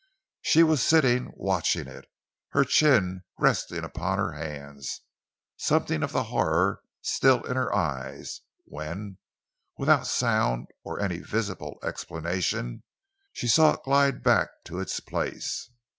She was sitting watching it, her chin resting upon her hands, something of the horror still in her eyes, when without sound, or any visible explanation, she saw it glide back to its place.